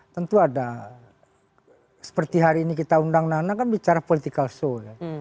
tentu ada seperti hari ini kita undang nana kan bicara political show